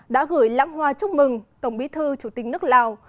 đã gửi lãng hoa chúc mừng tổng bí thư chủ tịch nước lào